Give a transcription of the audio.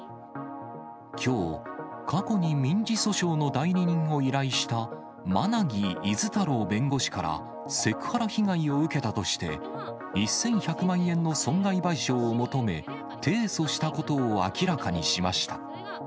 きょう、過去に民事訴訟の代理人を依頼した馬奈木厳太郎弁護士からセクハラ被害を受けたとして、１１００万円の損害賠償を求め、提訴したことを明らかにしました。